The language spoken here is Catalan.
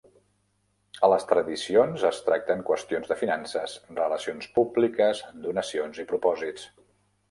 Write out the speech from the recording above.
A les Tradicions es tracten qüestions de finances, relacions públiques, donacions i propòsits.